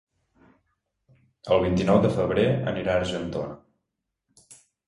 El vint-i-nou de febrer anirà a Argentona.